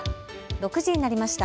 ６時になりました。